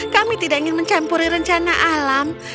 kami tidak ingin mencampuri rencana alam